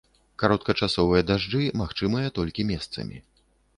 Кароткачасовыя дажджы магчымыя толькі месцамі.